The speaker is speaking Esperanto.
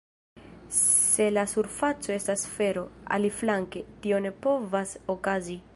Se la surfaco estas sfero, aliflanke, tio ne povas okazi.